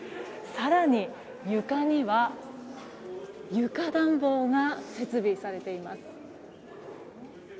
更に、床には床暖房が設備されています。